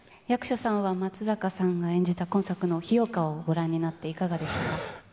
役所さんは、松坂さんが演じた今作の日岡をご覧になって、いかがでしたか。